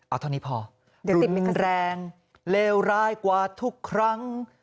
อ๋ออันนี้พอดื่มแรงเลวร้ายกว่าทุกครั้ง